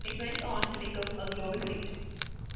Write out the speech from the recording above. It went on to become a global hit.